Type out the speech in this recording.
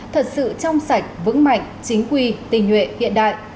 thật sự trong sạch vững mạnh chính quy tình nguyện hiện đại